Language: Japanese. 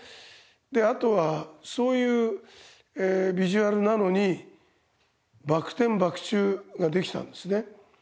であとはそういうビジュアルなのにバク転バク宙ができたんですね。